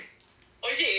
・おいしい？